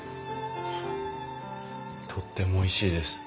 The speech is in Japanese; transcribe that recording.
とってもおいしいです。